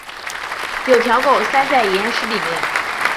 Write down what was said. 有条狗塞在岩石里面